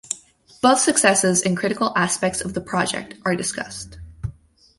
Both successes and critical aspects of the project are discussed.